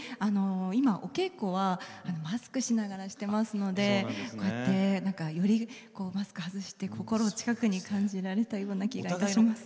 今、お稽古はマスクしながらしてますのでこうやってマスクを外して心を近くに感じられた気がします。